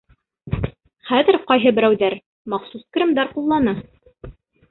Хәҙер ҡайһы берәүҙәр махсус кремдар ҡуллана.